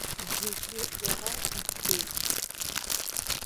Зегьы иара иӡбеит.